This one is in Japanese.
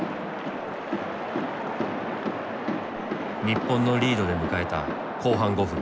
日本のリードで迎えた後半５分。